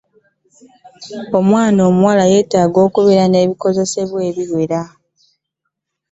Omwana omuwala yetaaga okubera n'ebikozesebwa ebiwera.